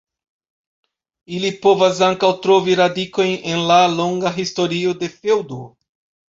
Ili povas ankaŭ trovi radikojn en la longa historio de feŭdo.